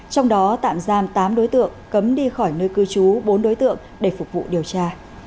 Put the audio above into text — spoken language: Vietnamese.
trong đó tạm giam tám đối tượng cấm đi khỏi nơi cư trú bốn đối tượng để phục vụ điều tra